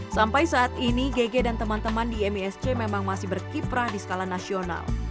sampai saat ini gege dan teman teman di misc memang masih berkiprah di skala nasional